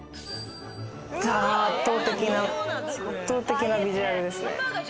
圧倒的なビジュアルですね。